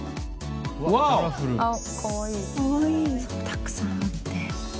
たくさんあって。